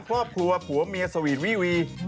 ครอบครัวผัวเมียสวีทวี่วี